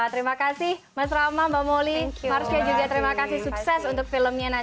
terima kasih mas rama mbak molly marcia juga terima kasih sukses untuk filmnya nanti ya